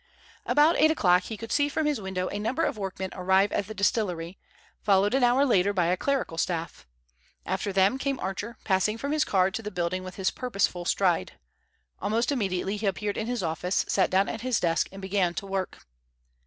About eight o'clock he could see from his window a number of workmen arrive at the distillery, followed an hour later by a clerical staff. After them came Archer, passing from his car to the building with his purposeful stride. Almost immediately he appeared in his office, sat down at his desk, and began to work.